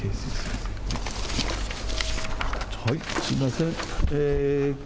すみません。